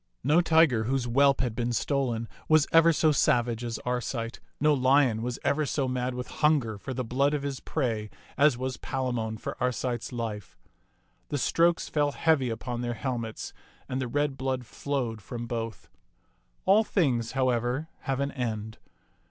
No tiger whose whelp had been stolen was ever so savage as Arcite; no lion was ever so mad with hunger for the blood of his prey as was Palamon for Arcite's life. The strokes fell heavy upon their helmets, and the red blood flowed from both. All things, however, have an end.